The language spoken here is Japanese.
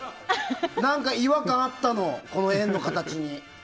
何か違和感あったのこの円の形に。